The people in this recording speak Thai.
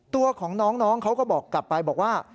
ตัวของน้องเขาก็บอกกลับไปบอกว่า